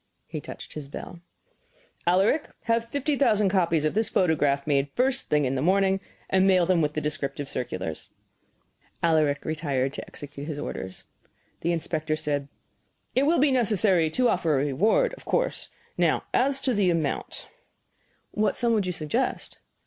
He touched his bell. "Alaric, have fifty thousand copies of this photograph made the first thing in the morning, and mail them with the descriptive circulars." Alaric retired to execute his orders. The inspector said: "It will be necessary to offer a reward, of course. Now as to the amount?" "What sum would you suggest?"